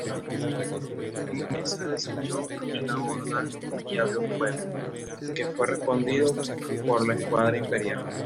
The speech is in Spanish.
Mesa desechó el abordaje y abrió fuego, que fue respondido por la escuadra imperial.